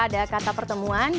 ada kata pertemuan